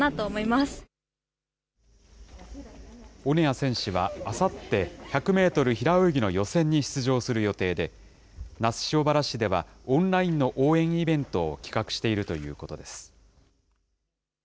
オネア選手はあさって、１００メートル平泳ぎの予選に出場する予定で、那須塩原市では、オンラインの応援イベントを企画しているということです。